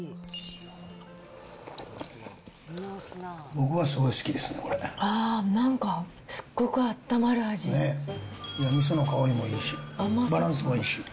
僕はすごい好きですね、これなんか、すっごくあったまるみその香りもいいし、バランスもいいし。